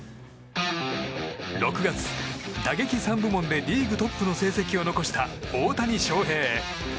６月、打撃３部門でリーグトップの成績を残した大谷翔平。